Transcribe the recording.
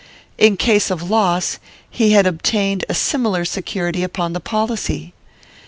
In case of loss, he had obtained a similar security upon the policy.